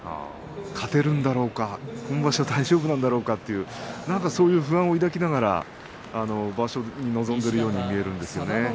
勝てるんだろうか今場所大丈夫なんだろうかとそういう不安を抱きながら場所に臨んでいるような感じがするんですよね。